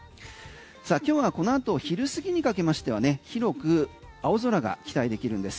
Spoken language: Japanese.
さあ今日はこのあと昼過ぎにかけましては広く青空が期待できるんです。